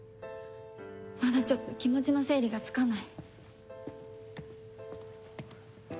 まだちょっと気持ちの整理がつかない。